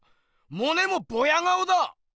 モネもボヤ顔だ！